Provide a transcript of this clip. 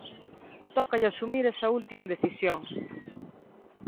Tócalle asumir esa última decisión.